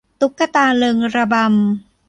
ตุ๊กตาเริงระบำ